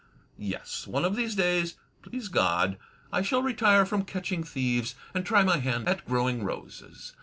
Yes. One of these days (please God) I shall retire from catching thieves, and try my hand at growing roses.